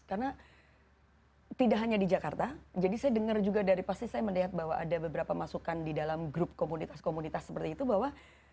karena tidak hanya di jakarta jadi saya dengar juga dari pasti saya melihat bahwa ada beberapa masukan di dalam grup komunitas komunitas seperti itu bahwa